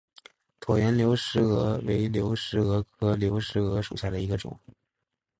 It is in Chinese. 椭圆流石蛾为流石蛾科流石蛾属下的一个种。